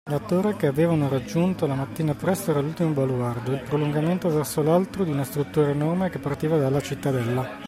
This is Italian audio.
La torre che avevano raggiunto la mattina presto era l’ultimo baluardo, il prolungamento verso l’alto, di una struttura enorme che partiva dalla cittadella.